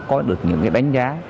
có được những đánh giá